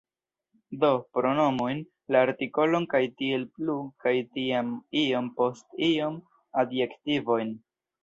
Do, pronomojn, la artikolon kaj tiel plu kaj tiam iom post iom adjektivojn